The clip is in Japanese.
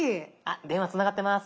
電話つながってます。